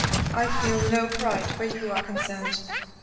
I feel no pride where you are concerned.